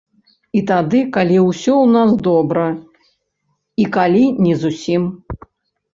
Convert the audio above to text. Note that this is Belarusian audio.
І тады, калі ўсё ў нас добра, і калі не зусім.